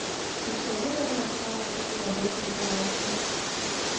Усё гэта вырашаецца ў рабочым парадку.